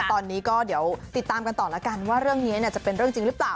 ตอนนี้ก็เดี๋ยวติดตามกันต่อแล้วกันว่าเรื่องนี้จะเป็นเรื่องจริงหรือเปล่า